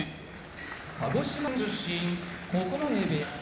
鹿児島県出身九重部屋